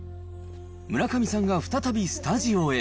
村上さんが再びスタジオへ。